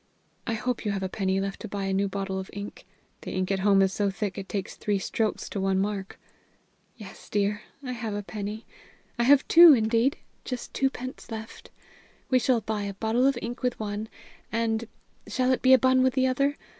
I hope you have a penny left to buy a new bottle of ink. The ink at home is so thick it takes three strokes to one mark." "Yes, dear, I have a penny; I have two, indeed just twopence left. We shall buy a bottle of ink with one, and shall it be a bun with the other?